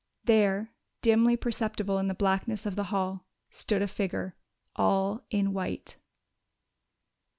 There, dimly perceptible in the blackness of the hall, stood a figure all in white!